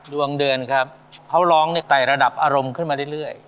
ดวงเดือนครับเขาร้องในไต่ระดับอารมณ์ขึ้นมาเรื่อย